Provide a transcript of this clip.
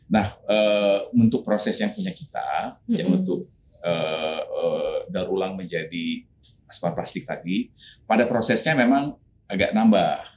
nah untuk proses yang punya kita yang bentuk darulang menjadi aspar plastik tadi pada prosesnya memang agak nambah